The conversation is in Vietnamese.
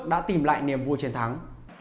đã tìm lại niềm vua chiến thắng